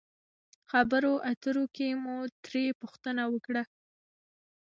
خبرو اترو کښې مو ترې پوښتنه وکړه